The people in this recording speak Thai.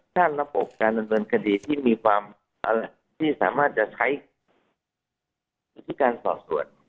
ท่านระบบการดำเนินคดีที่สามารถใช้พิธีการสอบส่วน